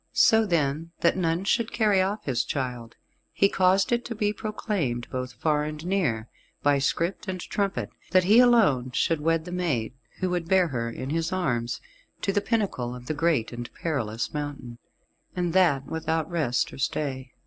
So then, that none should carry off his child, he caused it to be proclaimed, both far and near, by script and trumpet, that he alone should wed the maid, who would bear her in his arms, to the pinnacle of the great and perilous mountain, and that without rest or stay.